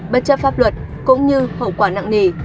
bất chấp pháp luật cũng như hậu quả nặng nề